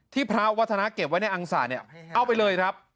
พระวัฒนาเก็บไว้ในอังศาเนี่ยเอาไปเลยครับ